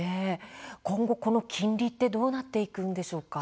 今後この金利はどうなっていくんでしょうか。